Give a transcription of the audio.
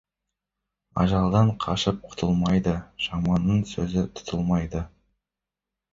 Ажалдан қашып құтылмайды, жаманның сөзі тұтылмайды.